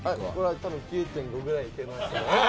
９．５ぐらい、いけますよ。